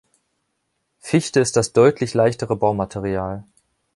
Fichte ist das deutlich leichtere Baumaterial.